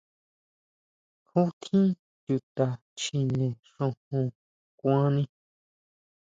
Jon xtín Chuta chjine xojon kuani.